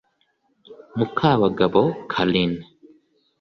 Mukabagabo Carine